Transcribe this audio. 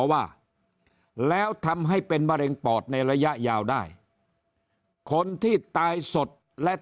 ว่าแล้วทำให้เป็นมะเร็งปอดในระยะยาวได้คนที่ตายสดและ